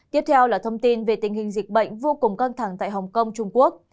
tiếp theo là thông tin về tình hình dịch bệnh vô cùng căng thẳng tại hong kong trung quốc